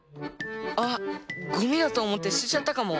あっゴミだとおもってすてちゃったかも。